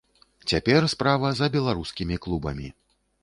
Цяпер справа за беларускімі клубамі.